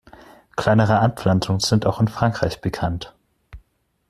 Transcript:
Kleinere Anpflanzungen sind auch in Frankreich bekannt.